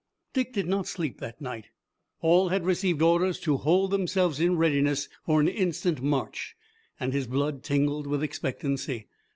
Dick did not sleep that night. All had received orders to hold themselves in readiness for an instant march, and his blood tingled with expectancy.